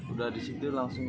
udah disitu langsung